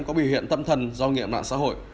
có biểu hiện tâm thần do nghiện mạng xã hội